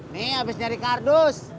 nih abis nyari kardus